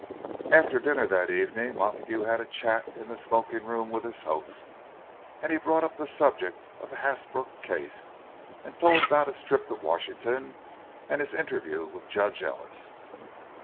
After dinner that evening Montague had a chat in the smoking room with his host; and he brought up the subject of the Hasbrook case, and told about his trip to Washington, and his interview with Judge Ellis.